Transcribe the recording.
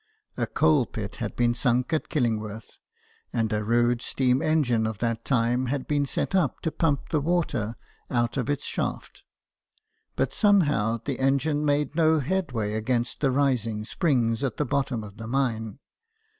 A coal pit had been sunk at Killingworth, and a rude steam engine of that time had been set to pump the water out of its shaft ; but, somehow, the engine made no headway against the rising springs at the bottom of the mine.